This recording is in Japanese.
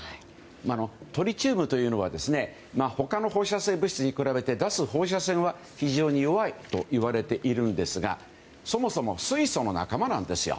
トリチウムというのは他の放射性物質に比べて出す放射線は非常に弱いといわれているんですがそもそも水素の仲間なんですよ。